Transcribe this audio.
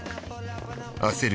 焦る